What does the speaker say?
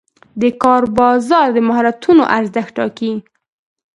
د کار بازار د مهارتونو ارزښت ټاکي.